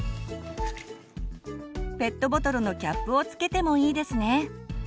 ペットボトルのキャップを付けてもいいですね。